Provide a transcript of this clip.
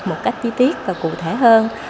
một cách chi tiết và cụ thể hơn